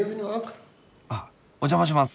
あっお邪魔します。